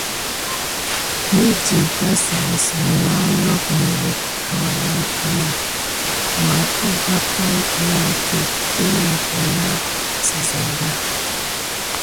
Midi vas kis nina nokt miwuk a valankila may kiban pay yanki temé kina sisayan.